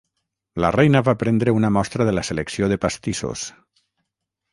La reina va prendre una mostra de la selecció de pastissos.